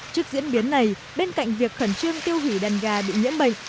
trước diễn biến này bên cạnh việc khẩn trương tiêu hủy đàn gà bị nhiễm bệnh